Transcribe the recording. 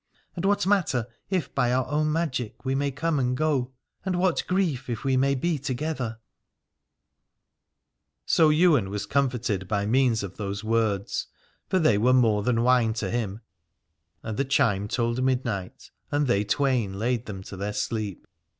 And what matter, if by our own magic we may come and go ? and what grief, if we may be together ? So Ywain was comforted by means of those words, for they were more than wine to him : and the chime told midnight, and they twain laid them to their sleep.